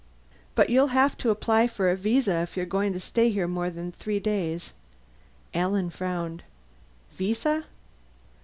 But you'll have to apply for a visa if you're going to stay here more than three days." Alan frowned. "Visa?"